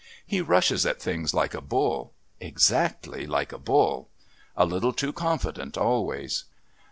He rushes at things like a bull exactly like a bull. A little too confident always.